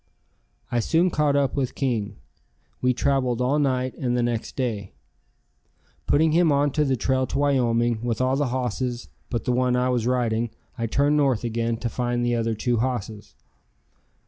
I soon caught up with King. We traveled all night and the next day. Putting him on the trail to Wyoming with all the hosses but the one I was riding, I turned north again to find the other two hosses.